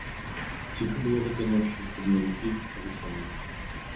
Ціха было гэтаю ноччу, каб не жукі, але цёмна.